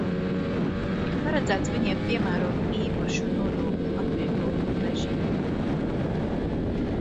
Ir paredzēts viņiem piemērot īpašu nodokļa atvieglojumu režīmu.